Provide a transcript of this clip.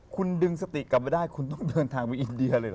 คุณดึงสติกลับมาได้คุณต้องเดินทางไปอินเดียเลยเห